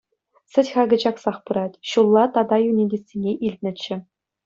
Сӗт хакӗ чаксах пырать, ҫулла тата йӳнетессине илтнӗччӗ.